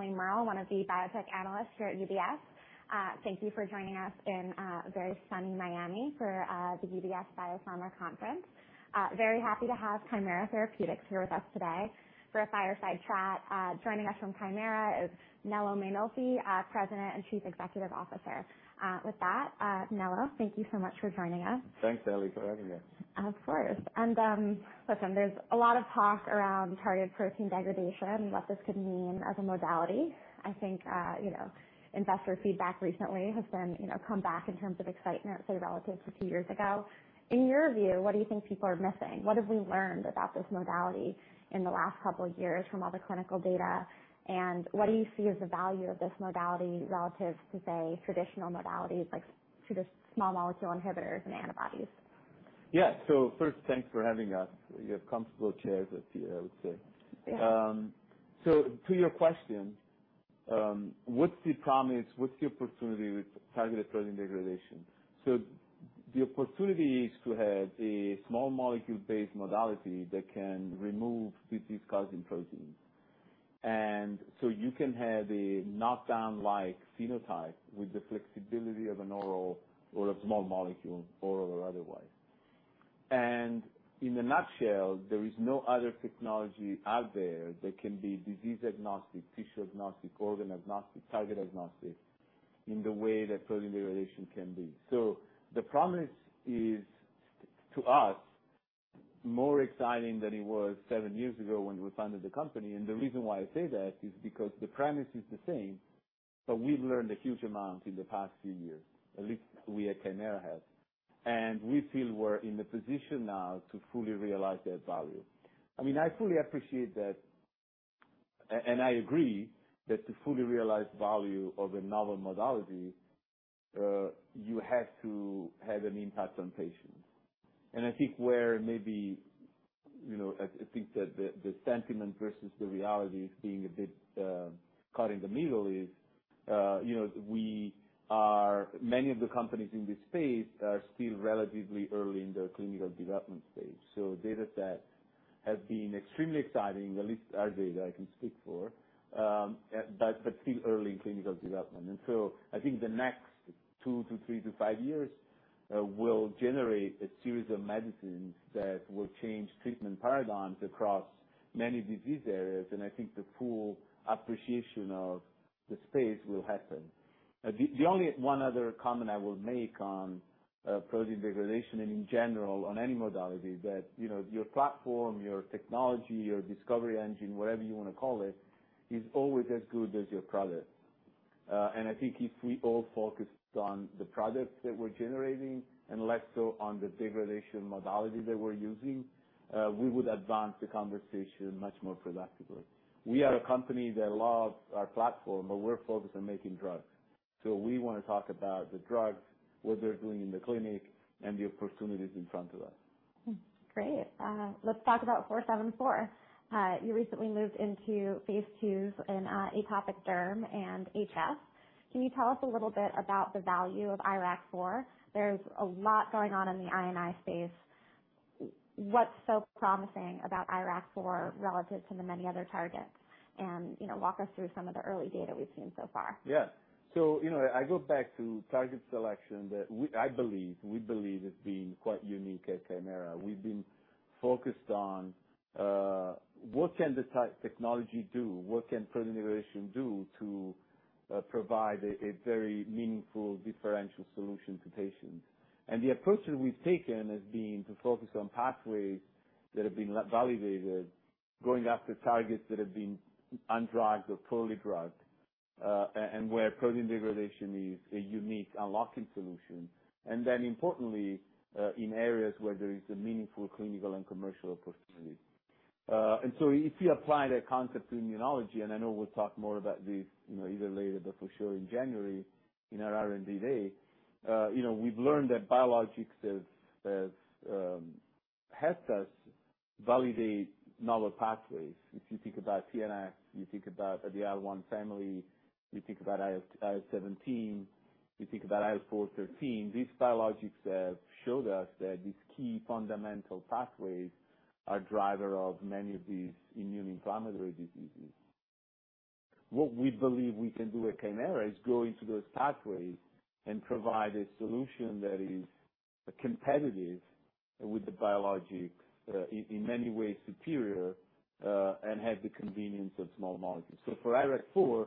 I'm Ellie Merle, one of the biotech analysts here at UBS. Thank you for joining us in a very sunny Miami for the UBS Biopharma Conference. Very happy to have Kymera Therapeutics here with us today for a fireside chat. Joining us from Kymera is Nello Mainolfi, President and Chief Executive Officer. With that, Nello, thank you so much for joining us. Thanks, Ellie, for having us. Of course, and, listen, there's a lot of talk around targeted protein degradation, what this could mean as a modality. I think, you know, investor feedback recently has been, you know, come back in terms of excitement, say, relative to two years ago. In your view, what do you think people are missing? What have we learned about this modality in the last couple of years from all the clinical data, and what do you see as the value of this modality relative to, say, traditional modalities, like traditional small molecule inhibitors and antibodies? Yeah. So first, thanks for having us. You have comfortable chairs up here, I would say. Yeah. To your question, what's the promise? What's the opportunity with targeted protein degradation? The opportunity is to have a small molecule-based modality that can remove disease-causing proteins. And so you can have a knockdown-like phenotype with the flexibility of an oral or a small molecule, oral or otherwise. And in a nutshell, there is no other technology out there that can be disease agnostic, tissue agnostic, organ agnostic, target agnostic in the way that protein degradation can be. The promise is, to us, more exciting than it was seven years ago when we founded the company, and the reason why I say that is because the premise is the same, but we've learned a huge amount in the past few years, at least we at Kymera have. We feel we're in the position now to fully realize that value. I mean, I fully appreciate that, and I agree, that to fully realize value of a novel modality, you have to have an impact on patients. And I think where maybe, you know, I think that the sentiment versus the reality is being a bit caught in the middle, you know, many of the companies in this space are still relatively early in their clinical development stage. So data set has been extremely exciting, at least our data I can speak for, but still early in clinical development. And so I think the next 2 to 3 to 5 years will generate a series of medicines that will change treatment paradigms across many disease areas, and I think the full appreciation of the space will happen. The only one other comment I will make on protein degradation and in general on any modality, that you know, your platform, your technology, your discovery engine, whatever you wanna call it, is always as good as your product. And I think if we all focused on the products that we're generating and less so on the degradation modality that we're using, we would advance the conversation much more productively. We are a company that loves our platform, but we're focused on making drugs. So we wanna talk about the drugs, what they're doing in the clinic, and the opportunities in front of us. Great. Let's talk about 474. You recently moved into phase 2s in atopic derm and HS. Can you tell us a little bit about the value of IRAK4? There's a lot going on in the I&I space. What's so promising about IRAK4 relative to the many other targets? And, you know, walk us through some of the early data we've seen so far. Yeah. So, you know, I go back to target selection that we believe as being quite unique at Kymera. We've been focused on what can the technology do? What can protein degradation do to provide a very meaningful, differential solution to patients? And the approach that we've taken has been to focus on pathways that have been validated, going after targets that have been undrugged or poorly drugged, and where protein degradation is a unique unlocking solution, and then importantly, in areas where there is a meaningful clinical and commercial opportunity. And so if you apply that concept to immunology, and I know we'll talk more about this, you know, either later, but for sure in January, in our R&D Day. You know, we've learned that biologics have helped us validate novel pathways. If you think about TNF, you think about the IL-1 family, you think about IL-17, you think about IL-4/13. These biologics have showed us that these key fundamental pathways are driver of many of these immune inflammatory diseases. What we believe we can do at Kymera is go into those pathways and provide a solution that is competitive with the biologics, in many ways, superior, and have the convenience of small molecules. So for IRAK4,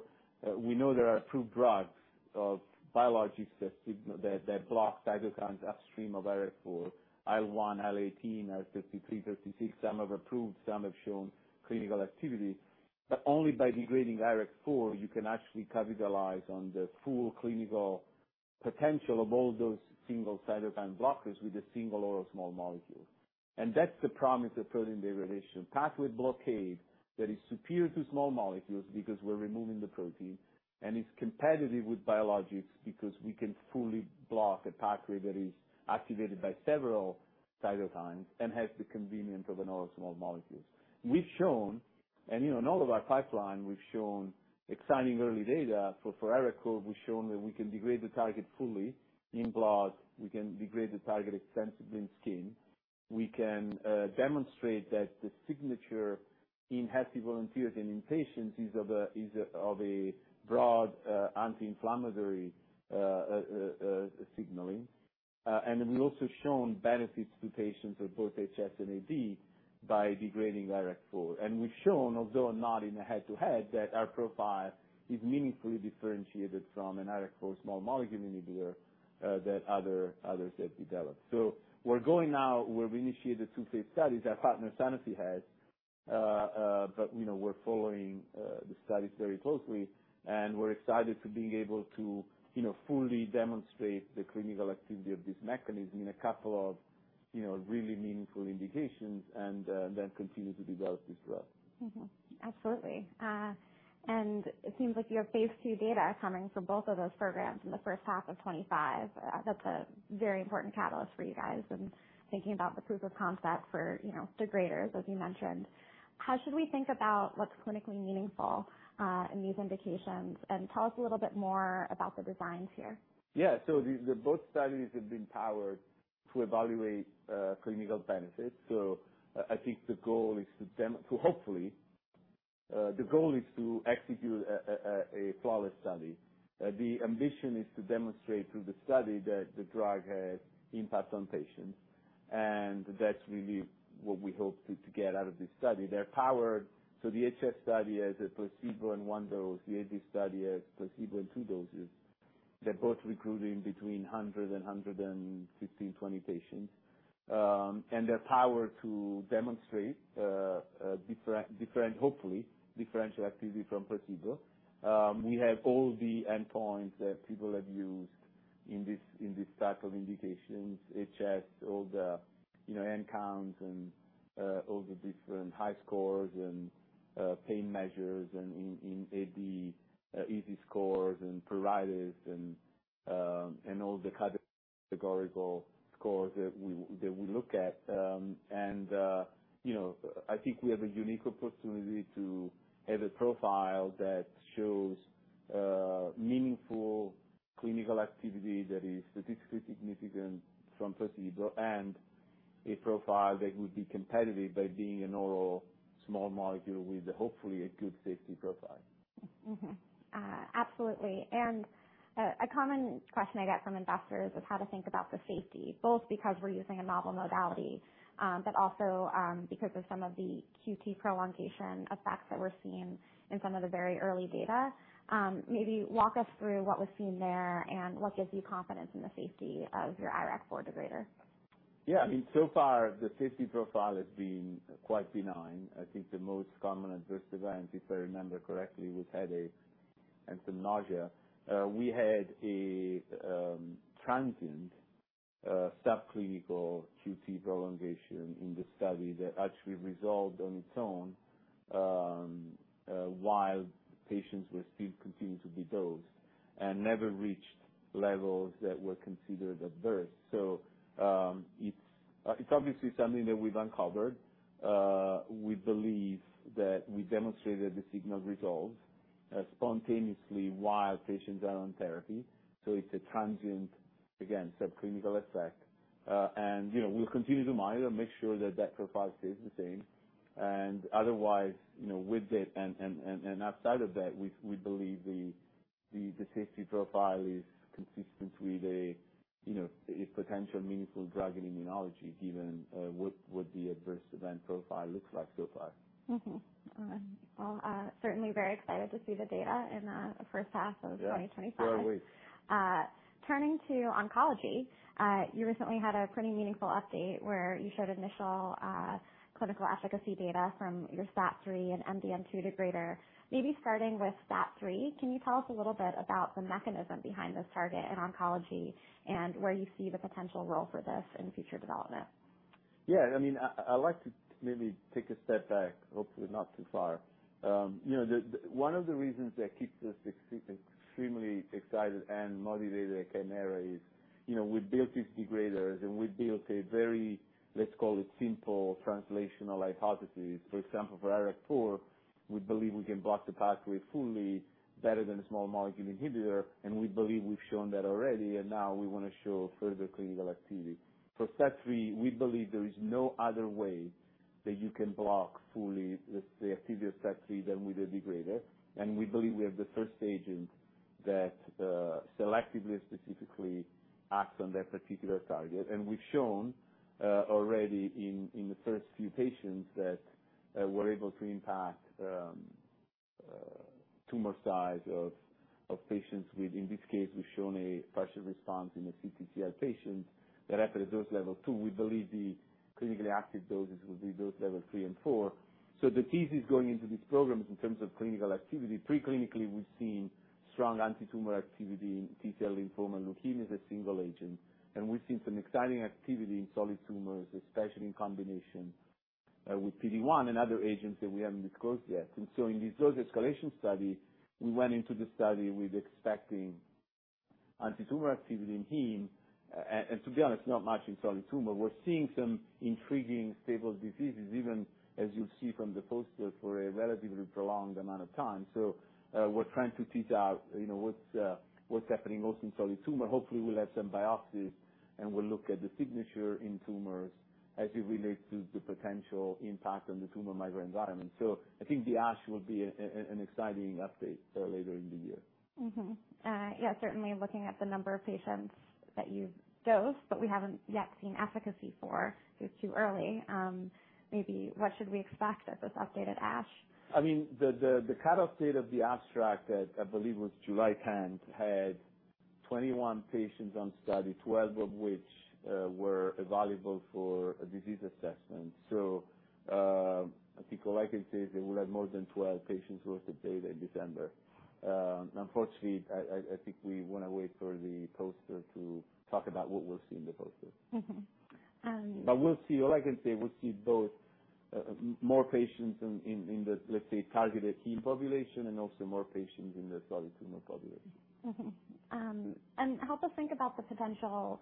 we know there are two drugs or biologics that block cytokines upstream of IRAK4, IL-1, IL-18, IL-36. Some have approved, some have shown clinical activity, but only by degrading IRAK4 you can actually capitalize on the full clinical potential of all those single cytokine blockers with a single oral small molecule. That's the promise of protein degradation, pathway blockade that is superior to small molecules because we're removing the protein, and it's competitive with biologics because we can fully block a pathway that is activated by several cytokines and has the convenience of an all small molecules. We've shown, you know, in all of our pipeline, we've shown exciting early data. For IRAK4, we've shown that we can degrade the target fully in blood. We can degrade the target extensively in skin. We can demonstrate that the signature in healthy volunteers and in patients is of a broad signaling. And then we've also shown benefits to patients with both HS and AD by degrading IRAK4. And we've shown, although not in a head-to-head, that our profile is meaningfully differentiated from an IRAK4 small molecule inhibitor that others have developed. So we're going now, where we initiated two phase studies, our partner Sanofi has. But, you know, we're following the studies very closely, and we're excited to being able to, you know, fully demonstrate the clinical activity of this mechanism in a couple of, you know, really meaningful indications and then continue to develop this drug. Mm-hmm. Absolutely. And it seems like you have phase 2 data coming from both of those programs in the first half of 2025. That's a very important catalyst for you guys and thinking about the proof of concept for, you know, degraders, as you mentioned. How should we think about what's clinically meaningful in these indications? And tell us a little bit more about the designs here. Yeah. So both studies have been powered to evaluate clinical benefits. So I think the goal is to hopefully the goal is to execute a flawless study. The ambition is to demonstrate through the study that the drug has impact on patients, and that's really what we hope to get out of this study. They're powered, so the HS study has a placebo and one dose. The AD study has placebo and two doses. They're both recruiting between 100 and 115-120 patients. And they're powered to demonstrate hopefully differential activity from placebo. We have all the endpoints that people have used in this type of indications, HS, all you know AN counts counts and all the different high scores and pain measures. In AD, EASI scores and pruritus and all the categorical scores that we look at. And you know, I think we have a unique opportunity to have a profile that shows meaningful clinical activity that is statistically significant from placebo, and a profile that would be competitive by being an oral small molecule with hopefully a good safety profile. Mm-hmm. Absolutely. And, a common question I get from investors is how to think about the safety, both because we're using a novel modality, but also, because of some of the QT Prolongation effects that we're seeing in some of the very early data. Maybe walk us through what was seen there and what gives you confidence in the safety of your IRAK4 degrader. Yeah, I mean, so far, the safety profile has been quite benign. I think the most common adverse event, if I remember correctly, was headache and some nausea. We had a transient subclinical QT prolongation in the study that actually resolved on its own while patients were still continuing to be dosed and never reached levels that were considered adverse. So, it's obviously something that we've uncovered. We believe that we demonstrated the signal resolved spontaneously while patients are on therapy, so it's a transient, again, subclinical effect. And, you know, we'll continue to monitor and make sure that that profile stays the same. Otherwise, you know, with that and outside of that, we believe the safety profile is consistent with a, you know, a potential meaningful drug in immunology, given what the adverse event profile looks like so far. Mm-hmm. Well, certainly very excited to see the data in the first half of 2025. Yeah, so are we. Turning to oncology, you recently had a pretty meaningful update where you showed initial, clinical efficacy data from your STAT3 and MDM2 degrader. Maybe starting with STAT3, can you tell us a little bit about the mechanism behind this target in oncology and where you see the potential role for this in future development? Yeah, I mean, I'd like to maybe take a step back, hopefully not too far. You know, the one of the reasons that keeps us extremely excited and motivated at Kymera is, you know, we built these degraders, and we built a very, let's call it, simple translational hypothesis. For example, for IRAK4, we believe we can block the pathway fully better than a small molecule inhibitor, and we believe we've shown that already, and now we want to show further clinical activity. For STAT3, we believe there is no other way that you can block fully, let's say, activity of STAT3 than with a degrader. And we believe we have the first agent that selectively, specifically acts on that particular target. And we've shown already in the first few patients that we're able to impact tumor size of patients with, in this case, we've shown a partial response in the CTCL patients. That effect is dose level 2. We believe the clinically active doses will be dose level 3 and 4. So the thesis going into these programs in terms of clinical activity, pre-clinically, we've seen strong antitumor activity in T-cell lymphoma and leukemias, a single agent. And we've seen some exciting activity in solid tumors, especially in combination with PD-1 and other agents that we haven't disclosed yet. And so in this dose escalation study, we went into the study with expecting antitumor activity in Heme and to be honest, not much in solid tumor. We're seeing some intriguing stable diseases, even as you'll see from the poster, for a relatively prolonged amount of time. So, we're trying to tease out, you know, what's happening also in solid tumor. Hopefully, we'll have some biopsies, and we'll look at the signature in tumors as it relates to the potential impact on the tumor microenvironment. So, I think the ASH will be an exciting update, later in the year. Mm-hmm. Yeah, certainly looking at the number of patients that you've dosed, but we haven't yet seen efficacy for. It's too early. Maybe what should we expect at this update at ASH? I mean, the cutoff date of the abstract that I believe was July tenth, had 21 patients on study, 12 of which were evaluable for a disease assessment. So, I think all I can say is we will have more than 12 patients worth of data in December. Unfortunately, I think we want to wait for the poster to talk about what we'll see in the poster. Mm-hmm, um- But we'll see. All I can say, we'll see both more patients in the, let's say, targeted heme population and also more patients in the solid tumor population. Mm-hmm. And help us think about the potential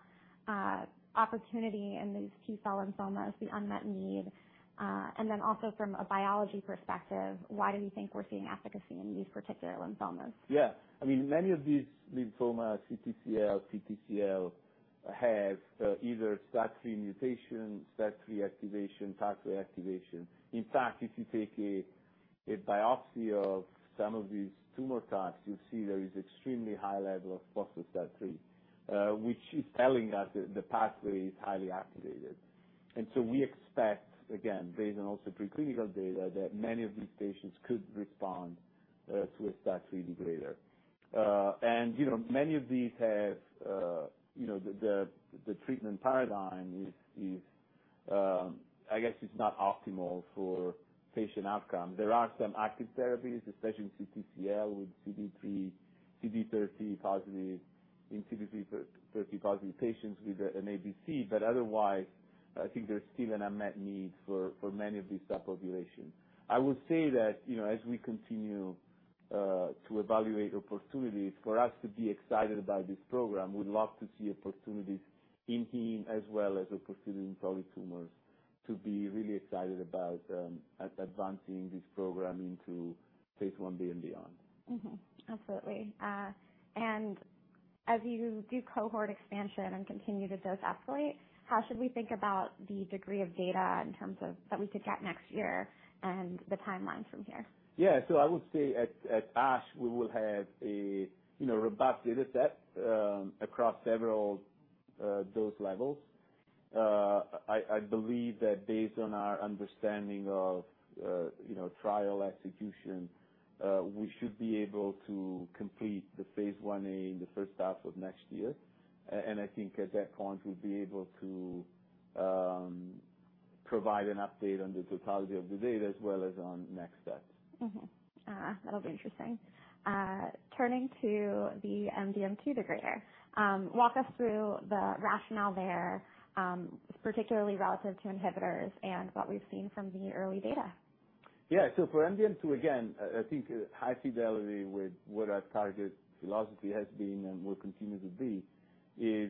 opportunity in these T-cell lymphomas, the unmet need. And then also from a biology perspective, why do you think we're seeing efficacy in these particular lymphomas? Yeah. I mean, many of these lymphoma, CTCL, PTCL, have either STAT3 mutations, STAT3 activation, pathway activation. In fact, if you take a biopsy of some of these tumor types, you'll see there is extremely high level of phospho-STAT3, which is telling us that the pathway is highly activated. And so we expect, again, based on also preclinical data, that many of these patients could respond to a STAT3 degrader. And, you know, many of these have, you know, the treatment paradigm is, I guess it's not optimal for patient outcome. There are some active therapies, especially in CTCL, with CD30, CD30-positive patients with an ADC, but otherwise, I think there's still an unmet need for many of these subpopulations. I will say that, you know, as we continue to evaluate opportunities, for us to be excited about this program, we'd love to see opportunities in heme as well as opportunities in solid tumors to be really excited about, advancing this program into Phase 1 B and beyond. Mm-hmm. Absolutely. As you do cohort expansion and continue to dose escalate, how should we think about the degree of data in terms of... that we could get next year and the timeline from here? Yeah. So I would say at ASH, we will have, you know, a robust data set across several dose levels. I believe that based on our understanding of, you know, trial execution, we should be able to complete the phase 1a in the first half of next year. And I think at that point, we'll be able to provide an update on the totality of the data as well as on next steps. Mm-hmm. That'll be interesting. Turning to the MDM2 degrader, walk us through the rationale there, particularly relative to inhibitors and what we've seen from the early data. Yeah. So for MDM2, again, I think high fidelity with what our target philosophy has been and will continue to be is,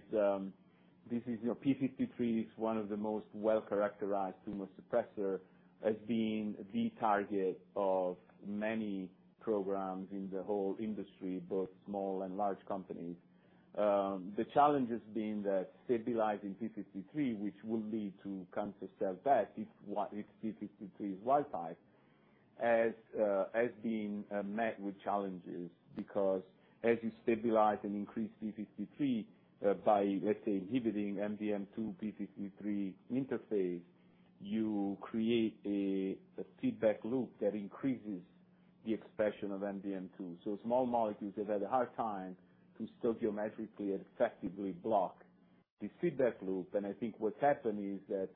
this is, you know, p53 is one of the most well-characterized tumor suppressor as being the target of many programs in the whole industry, both small and large companies. The challenge has been that stabilizing p53, which will lead to cancer cell death, if p53 is wild type, has been met with challenges. Because as you stabilize and increase p53, by, let's say, inhibiting MDM2 p53 interface, you create a feedback loop that increases the expression of MDM2. So small molecules have had a hard time to stoichiometrically and effectively block this feedback loop. And I think what's happened is that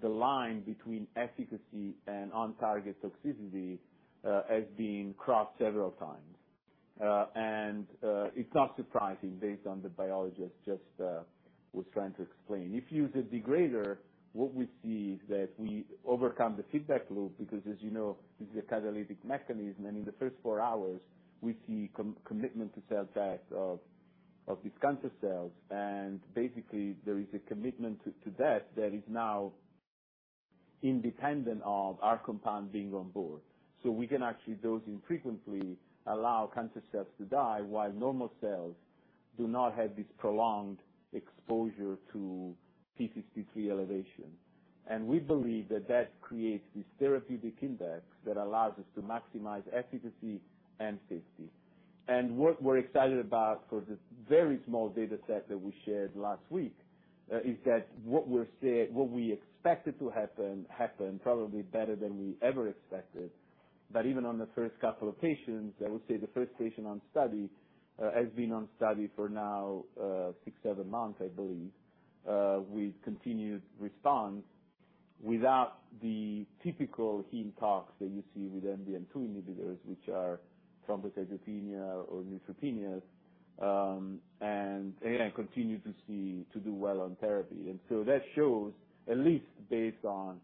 the line between efficacy and on-target toxicity has been crossed several times. And it's not surprising based on the biologist was trying to explain. If you use a degrader, what we see is that we overcome the feedback loop, because, as you know, this is a catalytic mechanism, and in the first four hours, we see commitment to cell death of these cancer cells. And basically, there is a commitment to death that is now independent of our compound being on board. So we can actually, dosing frequently, allow cancer cells to die, while normal cells do not have this prolonged exposure to p53 elevation. And we believe that that creates this therapeutic index that allows us to maximize efficacy and safety. What we're excited about for this very small data set that we shared last week is that what we expected to happen happened probably better than we ever expected. But even on the first couple of patients, I would say the first patient on study has been on study for now 6-7 months, I believe, with continued response, without the typical heme tox that you see with MDM2 inhibitors, which are thrombocytopenia or neutropenia. And again, continues to do well on therapy. So that shows, at least based on,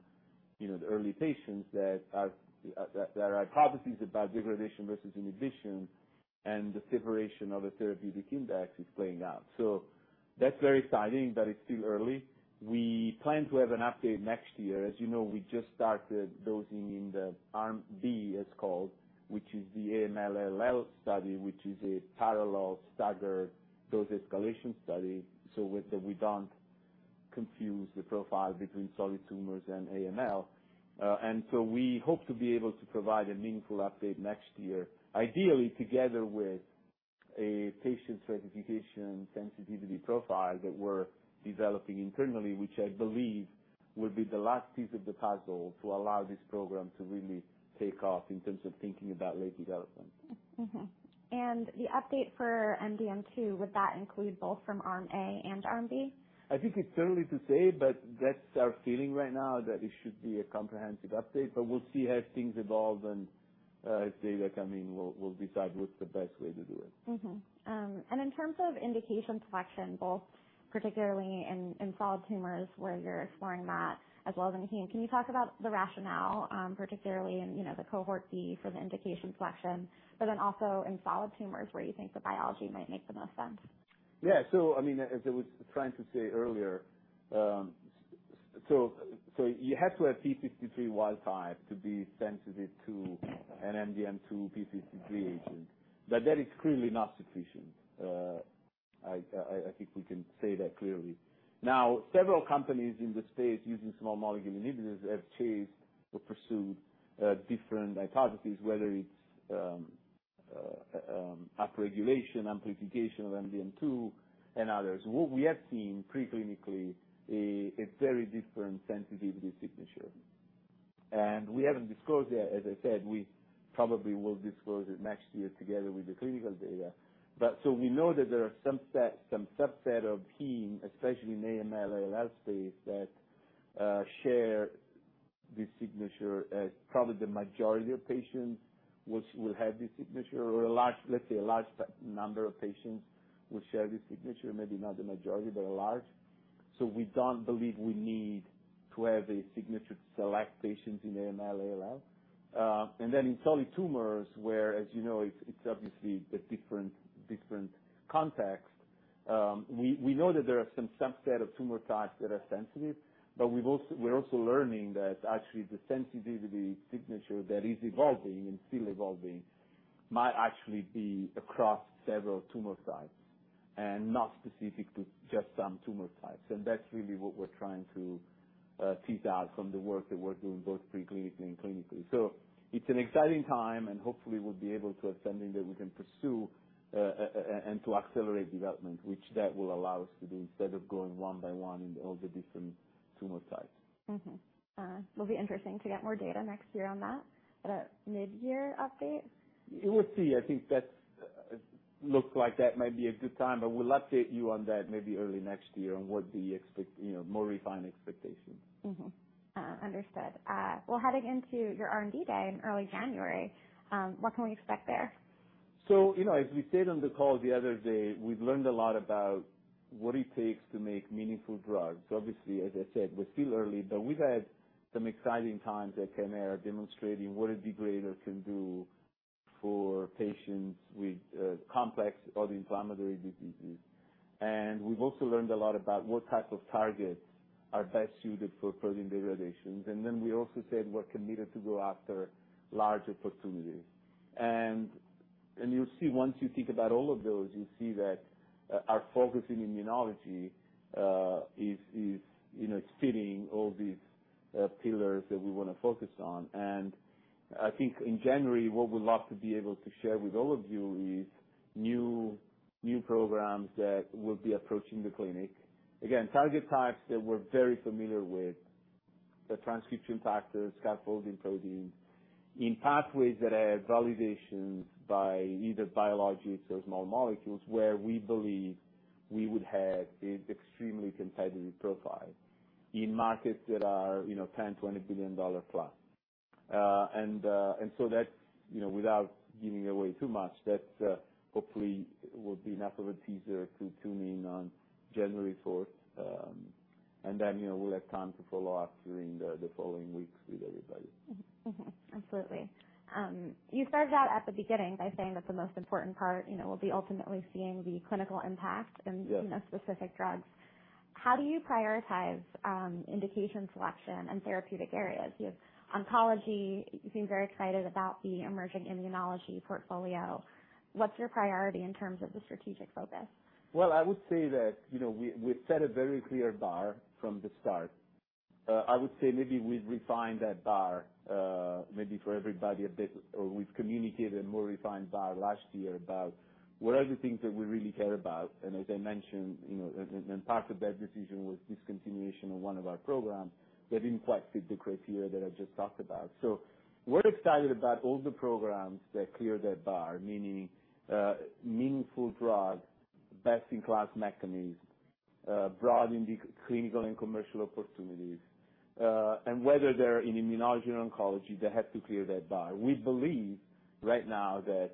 you know, the early patients that our hypothesis about degradation versus inhibition and the separation of the therapeutic index is playing out. So that's very exciting, but it's still early. We plan to have an update next year. As you know, we just started dosing in the arm B, it's called, which is the AML-ALL study, which is a parallel staggered dose escalation study, so with that, we don't confuse the profile between solid tumors and AML. And so we hope to be able to provide a meaningful update next year, ideally together with a patient stratification sensitivity profile that we're developing internally, which I believe will be the last piece of the puzzle to allow this program to really take off in terms of thinking about late development. Mm-hmm. And the update for MDM2, would that include both from arm A and arm B? I think it's too early to say, but that's our feeling right now, that it should be a comprehensive update. But we'll see how things evolve and, as data come in, we'll decide what's the best way to do it. Mm-hmm. And in terms of indication selection, both particularly in, in solid tumors, where you're exploring that as well as in heme, can you talk about the rationale, particularly in, you know, the cohort B for the indication selection, but then also in solid tumors, where you think the biology might make the most sense? Yeah. So I mean, as I was trying to say earlier, so you have to have p53 wild type to be sensitive to an MDM2 p53 agent, but that is clearly not sufficient. I think we can say that clearly. Now, several companies in the space using small molecule inhibitors have chased or pursued different hypotheses, whether it's upregulation, amplification of MDM2 and others. What we have seen preclinically a very different sensitivity signature, and we haven't disclosed yet. As I said, we probably will disclose it next year together with the clinical data. So we know that there are some set, some subset of heme, especially in the AML-ALL space, that share this signature, probably the majority of patients which will have this signature or a large, let's say, a large number of patients will share this signature. Maybe not the majority, but a large. So we don't believe we need to have a signature to select patients in AML-ALL. And then in solid tumors, where, as you know, it's obviously a different context, we know that there are some subset of tumor types that are sensitive, but we're also learning that actually the sensitivity signature that is evolving and still evolving might actually be across several tumor types and not specific to just some tumor types. That's really what we're trying to tease out from the work that we're doing, both pre-clinically and clinically. It's an exciting time, and hopefully we'll be able to have something that we can pursue, and to accelerate development, which that will allow us to do, instead of going one by one in all the different tumor types. Mm-hmm. Will be interesting to get more data next year on that, at a mid-year update? We'll see. I think that's, looks like that might be a good time, but we'll update you on that maybe early next year on what they expect... you know, more refined expectations. Mm-hmm. Understood. Well, heading into your R&D day in early January, what can we expect there? So, you know, as we said on the call the other day, we've learned a lot about what it takes to make meaningful drugs. Obviously, as I said, we're still early, but we've had some exciting times at Kymera, demonstrating what a degrader can do for patients with complex autoinflammatory diseases. And we've also learned a lot about what type of targets are best suited for protein degradation. And then we also said we're committed to go after larger opportunities. And you'll see, once you think about all of those, you'll see that our focus in immunology is, you know, hitting all these pillars that we want to focus on. And I think in January, what we'd love to be able to share with all of you is new, new programs that will be approaching the clinic. Again, target types that we're very familiar with, the transcription factors, scaffolding proteins, in pathways that have validations by either biologics or small molecules, where we believe we would have an extremely competitive profile in markets that are, you know, $10 billion, $20 billion plus. And so that, you know, without giving away too much, that hopefully will be enough of a teaser to tune in on January fourth. And then, you know, we'll have time to follow up during the following weeks with everybody. Mm-hmm. Mm-hmm. Absolutely. You started out at the beginning by saying that the most important part, you know, will be ultimately seeing the clinical impact- Yes.... in the specific drugs. How do you prioritize, indication selection and therapeutic areas? You have oncology. You seem very excited about the emerging immunology portfolio. What's your priority in terms of the strategic focus? Well, I would say that, you know, we set a very clear bar from the start. I would say maybe we've refined that bar, maybe for everybody a bit, or we've communicated a more refined bar last year about what are the things that we really care about. And as I mentioned, you know, part of that decision was discontinuation of one of our programs that didn't quite fit the criteria that I just talked about. So we're excited about all the programs that cleared that bar, meaning, meaningful drug, best-in-class mechanism, broad indications, clinical and commercial opportunities. And whether they're in immunology or oncology, they have to clear that bar. We believe right now that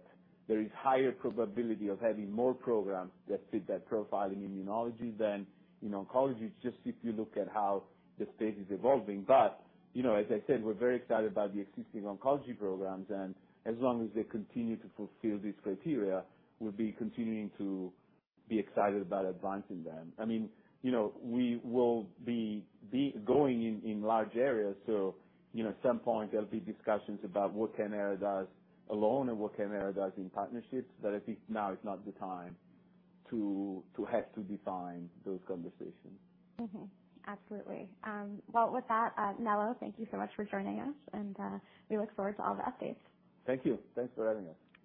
there is higher probability of having more programs that fit that profile in immunology than in oncology, just if you look at how the space is evolving. But, you know, as I said, we're very excited about the existing oncology programs, and as long as they continue to fulfill these criteria, we'll be continuing to be excited about advancing them. I mean, you know, we will be going in large areas, so you know, at some point there'll be discussions about what Kymera does alone and what Kymera does in partnerships. But I think now is not the time to have to define those conversations. Mm-hmm. Absolutely. Well, with that, Nello, thank you so much for joining us, and we look forward to all the updates. Thank you. Thanks for having us.